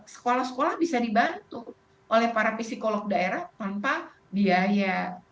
sekolah sekolah bisa dibantu oleh para psikolog daerah tanpa biaya